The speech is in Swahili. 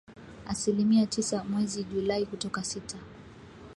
asilimia tisa mwezi Julai kutoka sita